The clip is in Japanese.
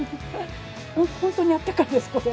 本当にあったかいですこれ。